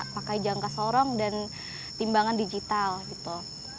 pakai jangka sorong dan timbangan digital gitu